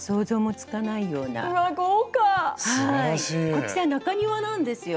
こちら中庭なんですよ。